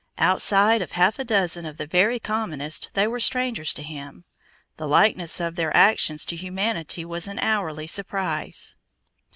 Outside of half a dozen of the very commonest they were strangers to him. The likeness of their actions to humanity was an hourly surprise.